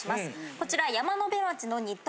こちら。